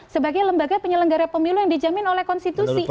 sebagai lembaga penyelenggara pemilu yang dijamin oleh konstitusi